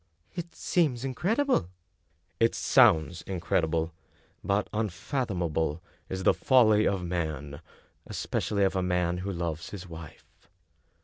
" It seems incredible! "" It sounds incredible ; but unfathomable is the folly of man, especially of a man who loves his wife."